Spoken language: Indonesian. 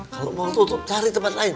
kalau mau tutup cari tempat lain